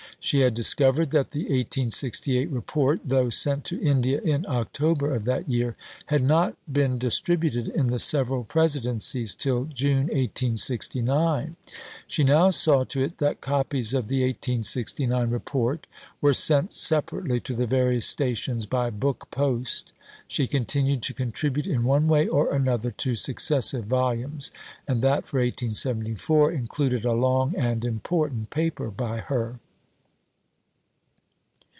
She had discovered that the 1868 Report, though sent to India in October of that year, had not been distributed in the several Presidencies till June 1869. She now saw to it that copies of the 1869 Report were sent separately to the various stations by book post. She continued to contribute in one way or another to successive volumes; and that for 1874 included a long and important paper by her.